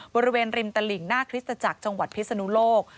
บริเวณริมตลิ่งหน้าคริสตจักรจังหวัดพิศนุโลก